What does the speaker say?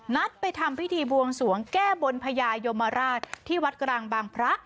ไปทำพิธีบวงสวงแก้บนพญายมราชที่วัดกลางบางพระ